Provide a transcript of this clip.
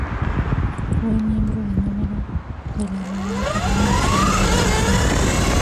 Fue miembro de número de la Real Academia Nacional de Medicina.